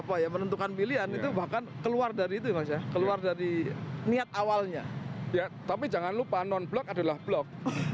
apa ya menentukan pilihan itu bahkan keluar dari itu ya mas ya keluar dari niat awalnya ya tapi jangan lupa non blok adalah blok